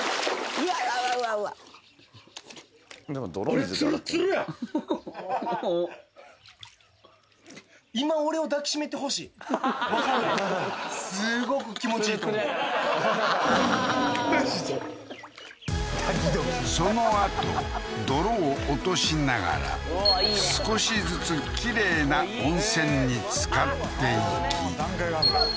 うわうわおっわかるでマジでそのあと泥を落としながら少しずつきれいな温泉につかっていきうわ